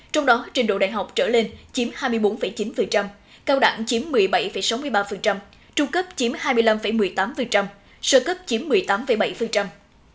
trong đó trình độ đại học trở lên chiếm hai mươi bốn chín cao đẳng chiếm một mươi bảy sáu mươi ba trung cấp chiếm hai mươi năm một mươi tám sơ cấp chiếm một mươi tám bảy